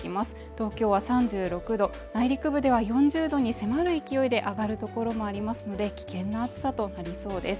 東京は３６度内陸部では４０度に迫る勢いで上がる所もありますので危険な暑さとなりそうです